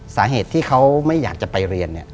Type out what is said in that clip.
สาเหตุที่เขาไม่อยากจะไปเรียน